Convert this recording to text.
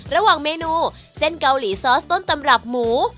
ระหว่างเมนูเส้นเกาหลีซอสต้นตำรับหมู